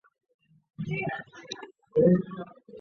另有说法他是景文王庶子。